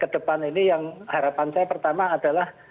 kedepan ini yang harapan saya pertama adalah